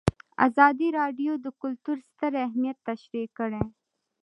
ازادي راډیو د کلتور ستر اهميت تشریح کړی.